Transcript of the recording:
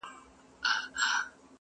ور سره ښکلی موټر وو نازولی وو د پلار,